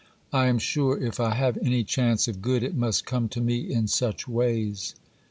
I am sure if I have any chance of good, it must come to me in such ways.